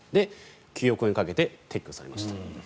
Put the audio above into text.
９億円かけて撤去されました。